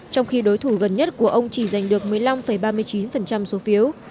trong khi đối thủ gần nhất của ông chỉ giành được một mươi năm ba mươi chín số phiếu